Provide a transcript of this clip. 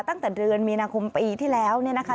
ตั้งแต่เดือนมีนาคมปีที่แล้วเนี่ยนะคะ